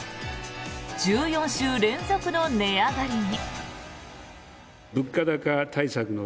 １４週連続の値上がりに。